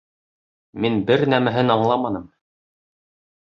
— Мин бер нәмәһен аңламаным.